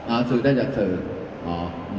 อ่าสื่อได้จากสื่ออ๋อ